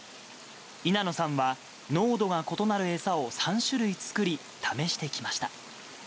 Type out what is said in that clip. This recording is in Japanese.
稲野さんは、濃度が異なる餌を３種類作り、試してきました。